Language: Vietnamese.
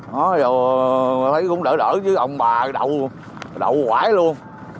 rồi thấy cũng đỡ đỡ chứ ông bà đậu đậu quãi luôn